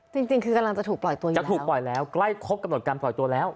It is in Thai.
จริงจริงคืองักลางจะถูกปล่อยตัวอยู่แล้วใกล้ครบกับตรวจการปล่อยตัวแล้ว